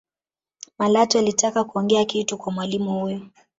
malatwe alitaka kuongea kitu kwa mwalimu huyo